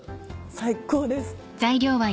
最高です！